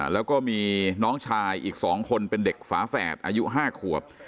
แล้วก็มีน้องชายอีก๒คนเป็นเด็กฝาแฝดอายุ๕ขวบ